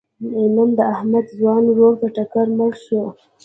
نن د احمد ځوان ورور په ټکر مړ شو.